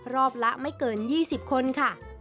รอบละไม่เกิน๒๐คนค่ะ